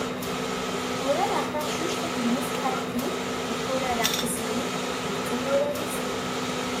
Urareɣ taɛcuct akked mmi-s n xalti, nek urareɣ tislit netta yurar isli.